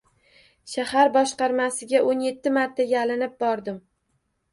Shahar boshqarmasiga o’n yetti marta yalinib bordim.